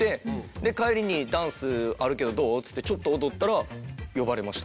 で帰りに「ダンスあるけどどう？」っつってちょっと踊ったら呼ばれました。